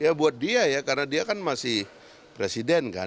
ya buat dia ya karena dia kan masih presiden kan